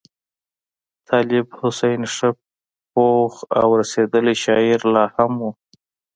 طالب حسین ښه پوخ او رسېدلی شاعر لا هم وو.